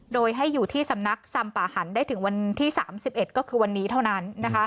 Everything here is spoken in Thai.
โดยให้อยู่ที่สำนักซำป่าหันได้ถึงวันที่๓๑ก็คือวันนี้เท่านั้น